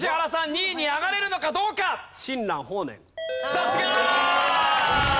さすが！